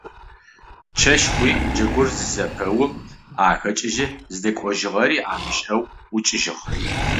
Чэщ хъуи джэгур зызэпэум ахэкӏыжьи зыдэкӏожьыгъэри амышӏэу ӏукӏыжьыгъ.